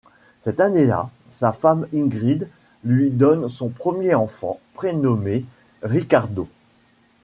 Cette année-là, sa femme Ingrid lui donne son premier enfant, prénommé Riccardo.